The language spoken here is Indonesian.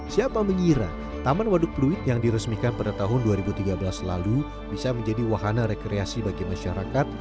siapa mengira taman waduk pluit yang diresmikan pada tahun dua ribu tiga belas lalu bisa menjadi wahana rekreasi bagi masyarakat